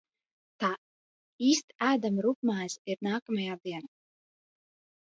Tā īsti ēdama rupjmaize ir nākamajā dienā.